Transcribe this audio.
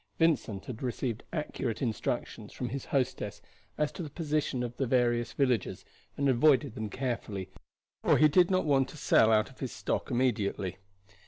Vincent had received accurate instructions from his hostess as to the position of the various villages, and avoided them carefully, for he did not want to sell out his stock immediately.